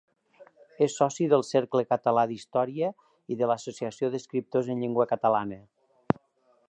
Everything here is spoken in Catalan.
És soci del Cercle Català d’Història i de l’Associació d’Escriptors en Llengua Catalana.